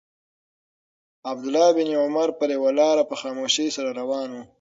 عبدالله بن عمر پر یوه لاره په خاموشۍ سره روان و.